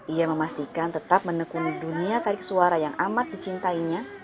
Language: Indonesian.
ia memastikan tetap menekuni dunia tarik suara yang amat dicintainya